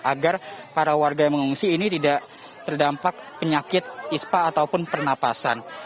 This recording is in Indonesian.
agar para warga yang mengungsi ini tidak terdampak penyakit ispa ataupun pernapasan